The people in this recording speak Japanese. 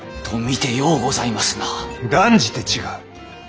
断じて違う。